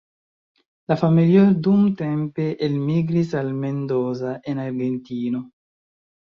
La familio dumtempe elmigris al Mendoza en Argentino.